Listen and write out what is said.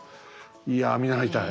いや見習いたい。